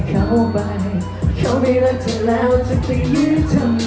แต่ว่าไงวันนี้ตื่นมาตอนเช้า